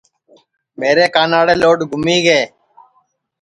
میرے کاناڑے لوڈ گُمی گے